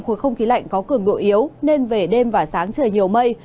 khối không khí lạnh có cường độ yếu nên về đêm và sáng trời nhiều mây